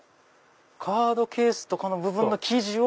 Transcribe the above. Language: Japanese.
カードケースとかの部分の生地を。